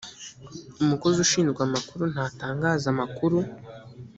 umukozi ushinzwe amakuru ntatangaza amakuru